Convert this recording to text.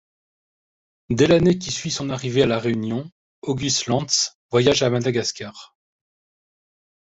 Dès l'année qui suit son arrivée à la Réunion, Auguste Lantz voyage à Madagascar.